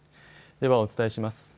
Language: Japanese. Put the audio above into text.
ではお伝えします。